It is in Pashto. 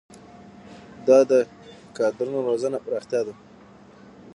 دا د کادرونو روزنه او پراختیا ده.